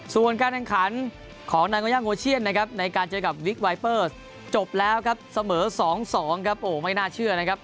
ส่วนการแข่งขันของนาโกย่างโอเชียนนะครับในการเจอกับวิกไวเปอร์จบแล้วครับเสมอ๒๒ครับโอ้ไม่น่าเชื่อนะครับ